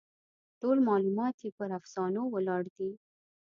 ټول معلومات یې پر افسانو ولاړ دي.